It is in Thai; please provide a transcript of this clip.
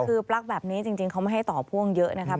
คือปลั๊กแบบนี้จริงเขาไม่ให้ต่อพ่วงเยอะนะครับ